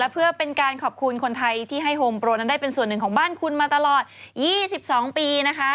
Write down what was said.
เพื่อเป็นการขอบคุณคนไทยที่ให้โฮมโปรนั้นได้เป็นส่วนหนึ่งของบ้านคุณมาตลอด๒๒ปีนะคะ